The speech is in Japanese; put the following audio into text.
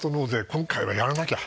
今回はやらなきゃ。